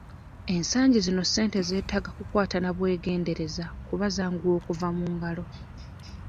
Ensangi zino ssente zeetaaga kukwata na bwegendereza kuba zanguwa okkuva mu ngalo.